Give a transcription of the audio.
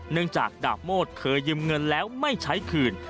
จากดาบโมดเคยยืมเงินแล้วไม่ใช้คืน